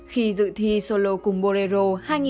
khi dự thi solo cùng bolero